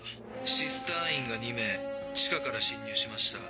ＳＩＳ隊員が２名地下から侵入しました。